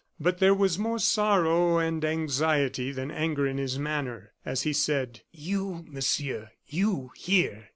But there was more sorrow and anxiety than anger in his manner, as he said: "You, Monsieur, you here!"